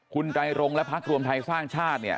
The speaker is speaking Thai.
คุณตรายรงค์และพักรวมไทยสร้างชาติ